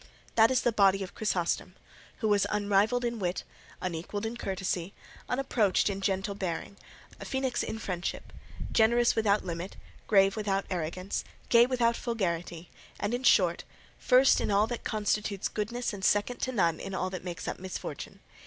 That is the body of Chrysostom, who was unrivalled in wit, unequalled in courtesy, unapproached in gentle bearing, a phoenix in friendship, generous without limit, grave without arrogance, gay without vulgarity, and, in short, first in all that constitutes goodness and second to none in all that makes up misfortune.